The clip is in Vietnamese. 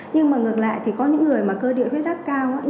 nhưng mà ngược lại thì có những người mà cơ địa huyết áp cao